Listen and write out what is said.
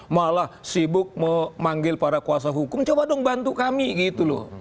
malah sibuk memanggil para kuasa hukum coba dong bantu kami gitu loh